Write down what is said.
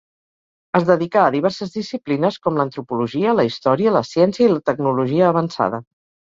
Es dedicà a diverses disciplines com l’antropologia, la història, la ciència i la tecnologia avançada.